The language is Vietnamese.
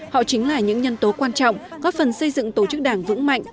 họ chính là những nhân tố quan trọng góp phần xây dựng tổ chức đảng vững mạnh